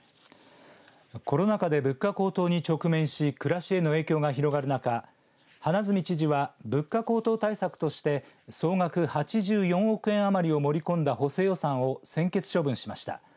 コロナ禍で物価高騰に直面し暮らしへの影響が広がる中花角知事は物価高騰対策として総額８４億円余りを盛り込んだ補正予算を専決処分しました。